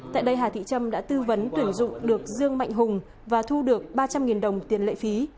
tại đây hà thị trâm đã tư vấn tuyển dụng được dương mạnh hùng và thu được ba trăm linh đồng tiền lệ phí